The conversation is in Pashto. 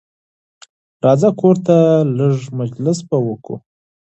راځه کورته لېږ مجلس به وکړو